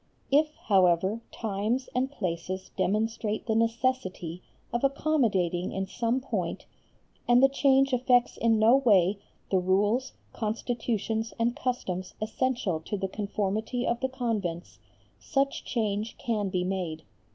If, however, times and places demonstrate the necessity of accommodating in some point, and the change affects in no way the Rules, Constitutions, and Customs essential to the conformity of the convents, such change can be made.